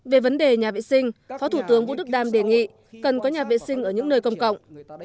về vấn đề nhà vệ sinh phó thủ tướng vũ đức đam đề nghị cần có nhà vệ sinh ở những nơi công cộng